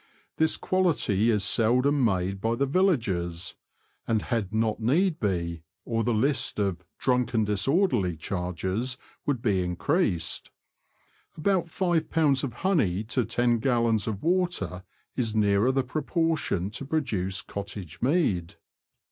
This quality is seldom made by the villagers, and had not need be, or the list of "drunk and disorderly '' charges would be increased. About 51b. of honey to 10 gallons of water is nearer the proportion to produce cottage mead.